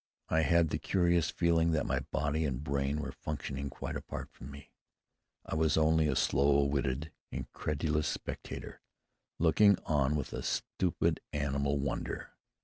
I had the curious feeling that my body and brain were functioning quite apart from me. I was only a slow witted, incredulous spectator looking on with a stupid animal wonder.